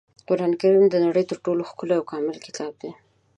قرانکریم د نړۍ تر ټولو ښکلی او کامل کتاب دی.